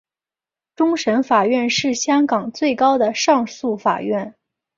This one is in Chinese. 终审法院是香港最高的上诉法院。